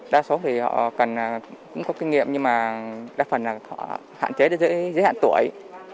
đa số thì họ cần là cũng có kinh nghiệm nhưng mà đa phần là họ hạn chế để giới hạn tuổi